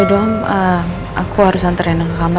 ya udah om aku harus antar rena ke kamar